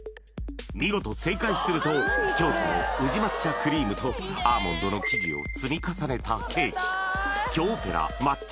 見事正解すると京都の宇治抹茶クリームとアーモンドの生地を積み重ねたケーキ京オペラ抹茶